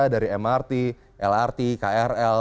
dari mrt lrt krl